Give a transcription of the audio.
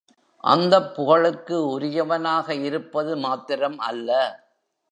அந்தப் புகழுக்கு உரியவனாக இருப்பது மாத்திரம் அல்ல.